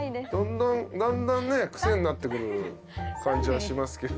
だんだんね癖になってくる感じはしますけど。